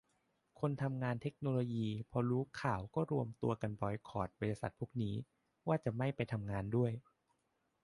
คนทำงานเทคโนโลยีพอรู้ข่าวก็รวมตัวกันบอยคอตบริษัทพวกนี้ ว่าจะไม่ไปทำงานด้วย